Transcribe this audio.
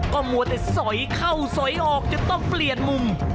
ก็มัวแต่สอยเข้าสอยออกจะต้องเปลี่ยนมุม